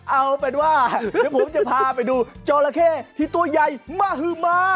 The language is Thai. เอาเป็นว่าเดี๋ยวผมจะพาไปดูจอละเข้ที่ตัวใหญ่มหือมา